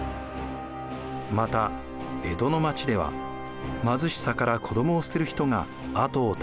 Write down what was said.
また江戸の町では貧しさから子どもを捨てる人が後を絶ちませんでした。